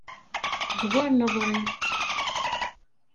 D wer neḍri!